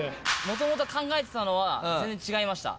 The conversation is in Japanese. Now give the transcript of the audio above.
元々考えてたのは全然違いました。